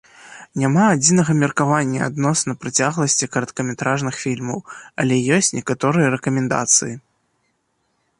Няма адзінага меркавання адносна працягласці кароткаметражных фільмаў, але ёсць некаторыя рэкамендацыі.